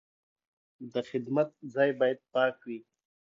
د خدمت ځای باید پاک وي.